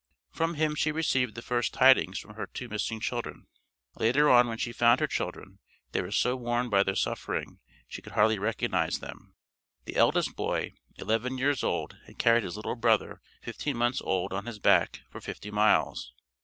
From him she received the first tidings from her two missing children. Later on when she found her children, they were so worn by their suffering she could hardly recognize them. The eldest boy, eleven years old had carried his little brother, fifteen months old on his back for fifty miles.